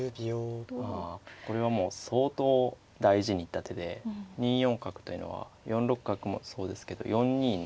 まあこれはもう相当大事に行った手で２四角というのは４六角もそうですけど４二に。